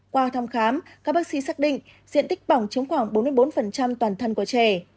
qua thăm khám các bác sĩ xác định diện tích bỏng chống khoảng bốn mươi bốn toàn thân của trẻ